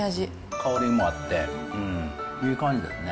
香りもあって、いい感じですね。